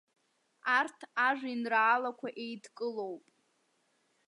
Арҭ ажәеинраалақәа еидкылоуп.